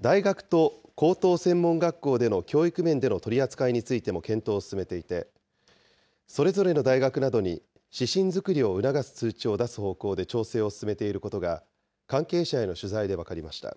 大学と高等専門学校での教育面での取り扱いについても検討を進めていて、それぞれの大学などに指針作りを促す通知を出す方向で調整を進めていることが、関係者への取材で分かりました。